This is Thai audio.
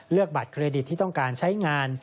บัตรเครดิตที่ต้องการใช้งาน